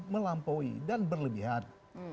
melampaui dan berlebihan